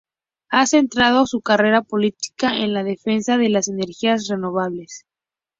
Ha centrado su carrera política en la defensa de las energías renovables.